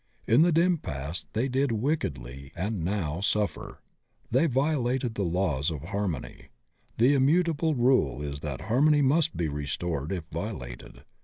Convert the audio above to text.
In the dim past they did wickedly and now suffer. They violated the laws of harmony. The immutable rule is that harmony must be restored if violated.